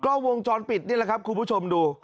ก็วงจรปิดนี่แหละครับคุณผู้ชมดู